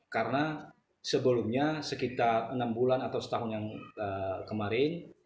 karena sebelumnya sekitar enam bulan atau setahun yang kemarin